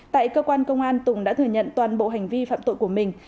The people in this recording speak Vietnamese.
tại cơ quan công an tùng đã thừa nhận toàn bộ hành vi phạm tội của mình